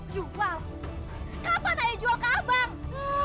jual kapan ayo jual ke abang